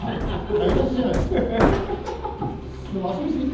台なしじゃないですか。